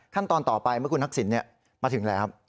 ขั้นตอนต่อไปเมื่อกูนักสินเนี่ยมาถึงแล้วครับ